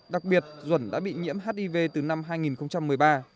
đặc biệt duẩn đã bị nhiễm hiv từ năm hai nghìn một mươi ba